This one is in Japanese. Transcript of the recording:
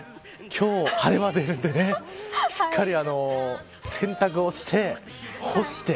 今日、晴れ間出るんでしっかり洗濯をして干して。